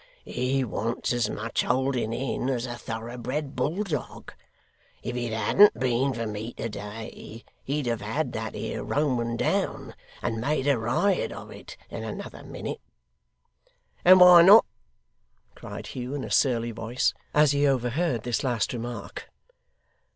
He wants as much holding in as a thorough bred bulldog. If it hadn't been for me to day, he'd have had that 'ere Roman down, and made a riot of it, in another minute.' 'And why not?' cried Hugh in a surly voice, as he overheard this last remark.